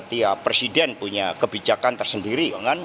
ya presiden punya kebijakan tersendiri